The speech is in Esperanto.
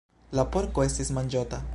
La porko estis manĝota.